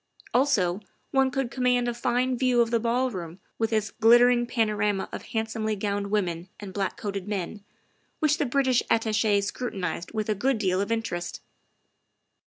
Also, one could command a fine view of the ballroom with its glittering panorama of handsomely gowned women and black coated men, which the British Attache scrutinized with a good deal of interest.